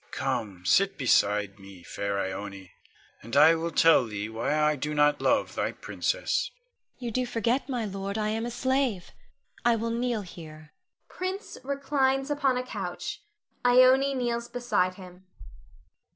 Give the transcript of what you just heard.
Come, sit beside me, fair Ione, and I will tell thee why I do not love thy princess. Ione. You do forget, my lord, I am a slave; I will kneel here. [Prince reclines upon a couch. Ione _kneels beside him.